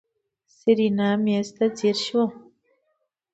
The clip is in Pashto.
سېرېنا مېز ته ځير شوه.